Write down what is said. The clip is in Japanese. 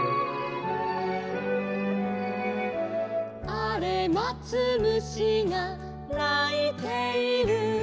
「あれまつ虫がないている」